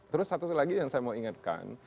terus satu lagi yang saya mau ingatkan